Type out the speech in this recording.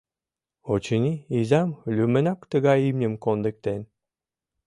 — Очыни, изам лӱмынак тыгай имньым кондыктен.